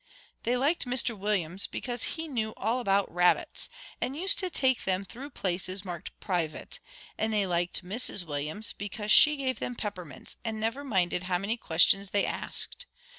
They liked Mr Williams, because he knew all about rabbits, and used to take them through places marked PRIVATE; and they liked Mrs Williams, because she gave them peppermints and never minded how many questions they asked.